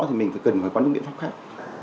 thì mình phải cần phải có những biện pháp khác